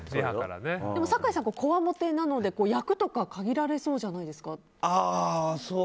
酒井さん、こわもてなので役とか限られそうじゃないですか。